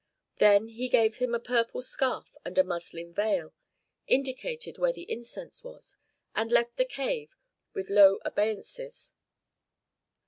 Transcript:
Then he gave him a purple scarf and a muslin veil, indicated where the incense was, and left the cave with low obeisances.